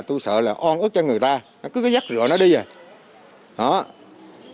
tôi sợ là on ướt cho người ta cứ dắt rửa nó đi rồi